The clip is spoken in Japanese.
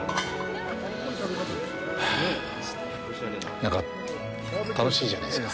なんか、楽しいじゃないですか